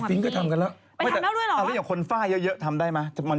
เอ๊ะฟิงก็ทำกันแล้วเอาให้อย่างคนฝ้าเยอะทำได้ไหม